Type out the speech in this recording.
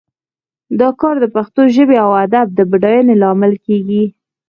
دا کار د پښتو ژبې او ادب د بډاینې لامل کیږي